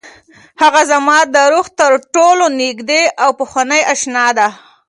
هغه زما د روح تر ټولو نږدې او پخوانۍ اشنا ده.